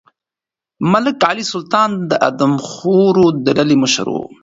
ملک علي سلطان د آدمخورو د ډلې مشر و.